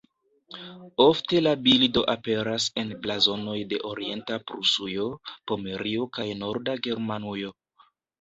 Ofte la bildo aperas en blazonoj de Orienta Prusujo, Pomerio kaj Norda Germanujo.